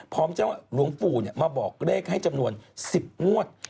พร้อมเจ้าหลวงปู่มาบอกเลขให้จำนวน๑๐งวด